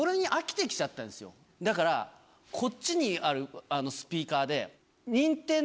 だからこっちにあるスピーカーで。